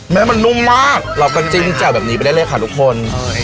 แม่มันนุ่มมากเราก็จิ้มแจ่วแบบนี้ไปได้เลยค่ะทุกคน